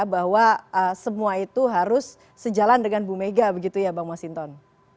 bahwa semua itu harus sejalan dengan bumega begitu ya bang washington